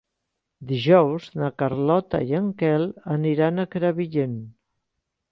Dijous na Carlota i en Quel aniran a Crevillent.